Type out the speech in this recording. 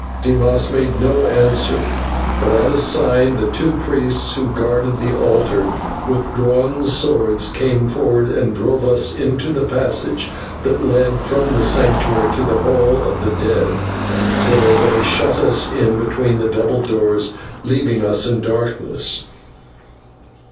Dimas made no answer, but at a sign the two priests who guarded the altar with drawn swords came forward and drove us into the passage that led from the Sanctuary to the Hall of the Dead, where they shut us in between the double doors, leaving us in darkness.